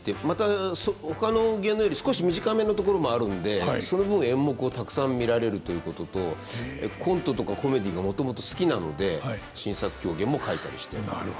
またほかの芸能より少し短めのところもあるんでその分演目をたくさん見られるということとコントとかコメディーがもともと好きなので新作狂言も書いたりしてます。